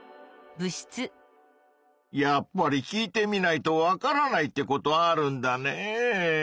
やっぱり聞いてみないとわからないってことあるんだねぇ。